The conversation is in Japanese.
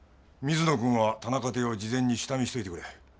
水野君は田中邸を事前に下見しといてくれ。